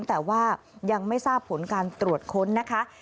แต่ว่ายังไม่ทราบผลการตรวจค้นนะคะ